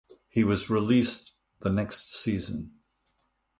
He was released the next season.